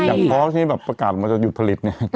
อย่างเพราะที่ประกาศมันจะหยุดผลิตเนี่ย